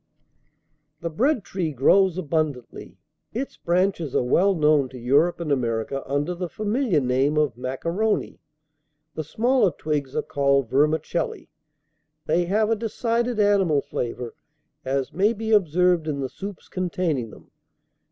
"The bread tree grows abundantly. Its branches are well known to Europe and America under the familiar name of macaroni. The smaller twigs are called vermicelli. They have a decided animal flavor, as may be observed in the soups containing them.